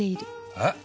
えっ！？